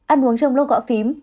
ăn uống trong lô gõ phím